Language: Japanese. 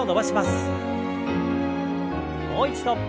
もう一度。